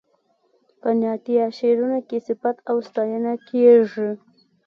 په نعتیه شعرونو کې صفت او ستاینه کیږي.